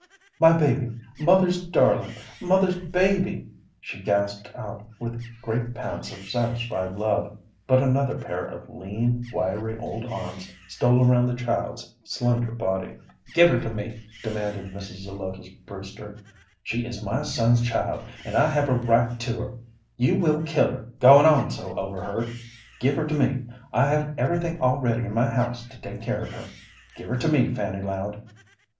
"My baby, mother's darling, mother's baby!" she gasped out with great pants of satisfied love; but another pair of lean, wiry old arms stole around the child's slender body. "Give her to me!" demanded Mrs. Zelotes Brewster. "She is my son's child, and I have a right to her! You will kill her, goin' on so over her. Give her to me! I have everything all ready in my house to take care of her. Give her to me, Fanny Loud!"